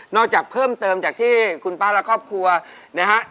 จากเพิ่มเติมจากที่คุณป้าและครอบครัวนะฮะ